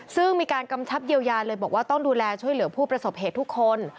ซึ่งมีการกำชับเยียวยาเลยบอกว่าต้องดูแลช่วยเหลือผู้ประสบเหตุทุกคน